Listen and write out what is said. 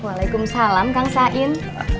waalaikumsalam kang sain